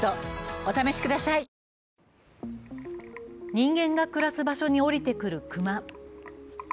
人間が暮らす場所に下りてくる熊。